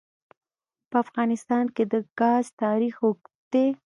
په افغانستان کې د ګاز تاریخ اوږد دی.